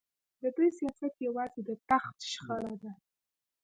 د دوی سیاست یوازې د تخت شخړه ده.